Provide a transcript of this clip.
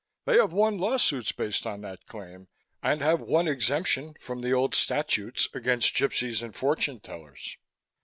They have won law suits based on that claim and have won exemption from the old statutes against gypsies and fortune tellers.